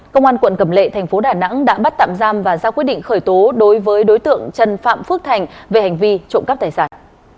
công an quận cầm lệ thành phố đà nẵng đã bắt tạm giam và ra quyết định khởi tố đối với đối tượng trần phạm phước thành về hành vi trộm cắp tài sản